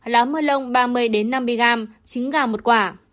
lá mơ lông ba mươi năm mươi g trứng gà một quả